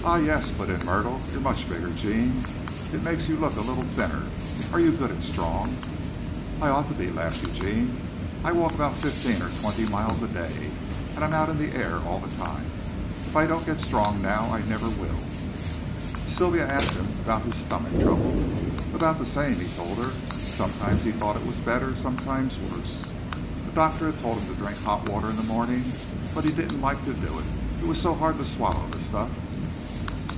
"Ah, yes," put in Myrtle. "You're much bigger, Gene. It makes you look a little thinner. Are you good and strong?" "I ought to be," laughed Eugene. "I walk about fifteen or twenty miles a day, and I'm out in the air all the time. If I don't get strong now I never will." Sylvia asked him about his "stomach trouble." About the same, he told her. Sometimes he thought it was better, sometimes worse. A doctor had told him to drink hot water in the morning but he didn't like to do it. It was so hard to swallow the stuff.